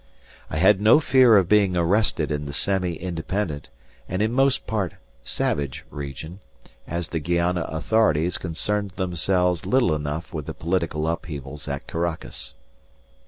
I had no fear of being arrested in the semi independent and in most part savage region, as the Guayana authorities concerned themselves little enough about the political upheavals at Caracas.